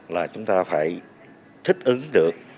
là chúng ta phải thích ứng được